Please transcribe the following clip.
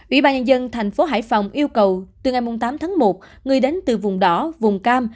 ủy ban nhân dân thành phố hải phòng yêu cầu từ ngày tám tháng một người đến từ vùng đỏ vùng cam